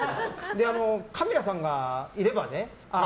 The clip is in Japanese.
カメラさんがいればね。